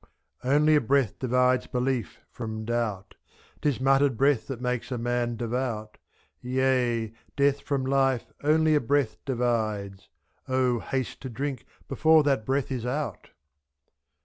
Only a breath divides belief from doubt, 'Tis muttered breath that makes a man devout, ^^«Yea, death from life only a breath divides — O haste to drink before that breath is out.